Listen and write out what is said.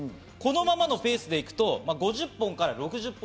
このままのペースで行くと５０本から６０本。